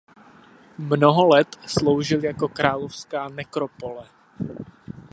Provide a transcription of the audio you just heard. Mnoho let sloužil jako královská nekropole.